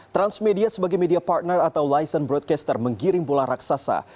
transmedia sebagai media partner atau licen broadcaster menggiring bola raksasa